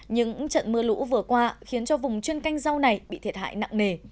những trận mưa lũ vừa qua khiến cho vùng chuyên canh rau này bị thiệt hại nặng nề